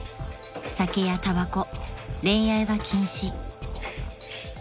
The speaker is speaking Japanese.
［酒やたばこ恋愛は禁止］